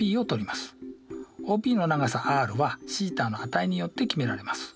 ＯＰの長さｒはθの値によって決められます。